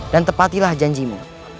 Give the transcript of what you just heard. dan tepatilah janjimu